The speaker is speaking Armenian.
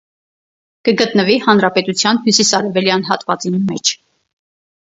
Կը գտնուի հանրապետութեան հիւսիսարեւելեան հատուածին մէջ։